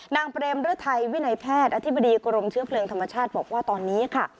นางเปรมเรื้อไทยวินัยแพทย์อธิบดีกรมเชื้อเครื่องธรรมชาติบอกว่าตอนนี้ค่ะ